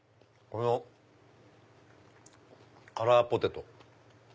このカラーポテト。